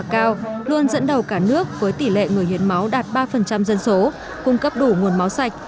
cao luôn dẫn đầu cả nước với tỷ lệ người hiến máu đạt ba dân số cung cấp đủ nguồn máu sạch